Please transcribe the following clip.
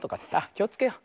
きをつけよう。